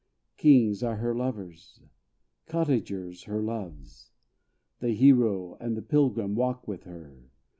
Kings are her lovers cottagers her loves: The hero and the pilgrim walk with her.